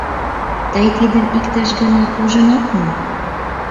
Тый тидым иктаж гана ужынат мо?